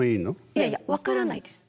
いやいや分からないです。